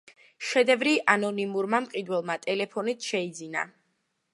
შედევრი ანონიმურმა მყიდველმა ტელეფონით შეიძინა.